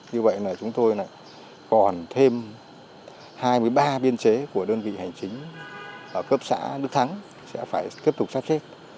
như vậy là chúng tôi còn thêm hai mươi ba biên chế của đơn vị hành chính ở cấp xã đức thắng sẽ phải tiếp tục sắp xếp